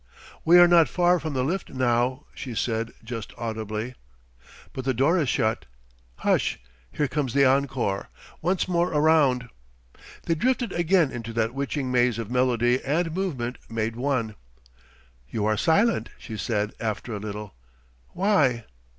"We are not far from the lift now," she said just audibly. "But the door is shut. Hush. Here comes the encore. Once more around...." They drifted again into that witching maze of melody and movement made one. "You are silent," she said, after a little. "Why?"